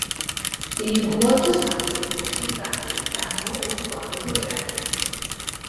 তিনি ভূমধ্যসাগরের পশ্চিম প্রান্তে তার নৌ-আধিপত্য ধরে রাখেন।